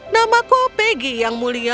namaku peggy yang mulia